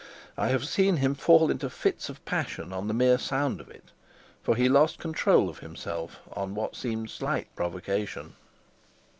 I have seen him fall into fits of passion on the mere sound of it; for he lost control of himself on what seemed slight provocation.